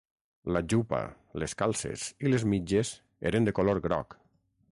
La jupa, les calces i les mitges eren de color groc.